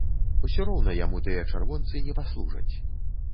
Усё роўна яму тыя чырвонцы не паслужаць.